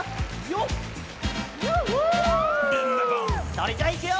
それじゃいくよ！